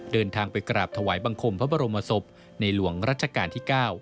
เดินทางไปกราบถวายบังคมพระบรมศพในหลวงรัชกาลที่๙